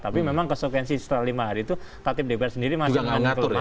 tapi memang konsekuensi setelah lima hari itu tatip dpr sendiri masih mengatur